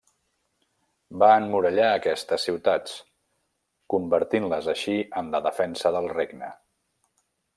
Va emmurallar aquestes ciutats, convertint-les així en la defensa del regne.